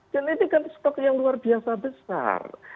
dan ini kan stok yang luar biasa besar